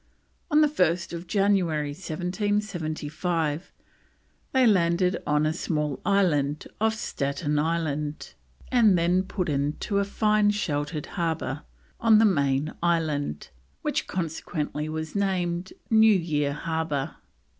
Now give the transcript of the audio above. On 1st January 1775 they landed on a small island off Staten Island, and then put in to a fine sheltered harbour on the main island, which consequently was named New Year Harbour.